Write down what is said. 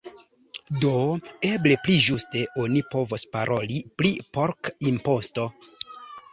Do eble pli ĝuste oni povos paroli pri pork-imposto.